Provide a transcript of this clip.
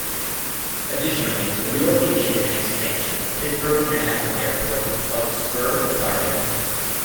Additionally, the relocation and expansion of Pittsburgh International Airport helped spur the project.